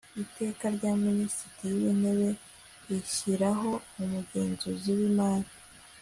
iteka rya minisitiri w intebe rishyiraho umugenzuzi w imari